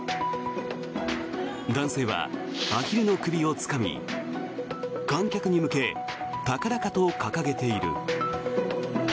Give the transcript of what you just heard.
男性はアヒルの首をつかみ観客に向け、高々と掲げている。